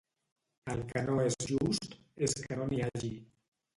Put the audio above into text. El que no és just és que no n’hi hagi.